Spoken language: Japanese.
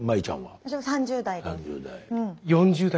私も３０代です。